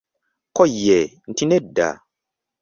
Kko ye nti nedda.